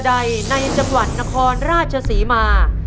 คุณยายแจ้วเลือกตอบจังหวัดนครราชสีมานะครับ